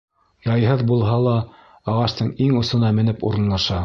Яйһыҙ булһа ла, ағастың иң осона менеп урынлаша.